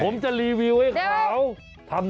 ผมจะรีวิวให้เขาทำ